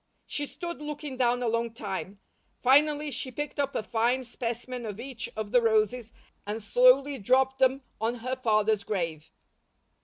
She stood looking down a long time; finally she picked up a fine specimen of each of the roses and slowly dropped them on her father's grave.